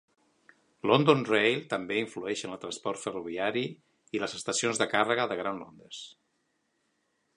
London Rail també influeix en el transport ferroviari i les estacions de càrrega de Gran Londres.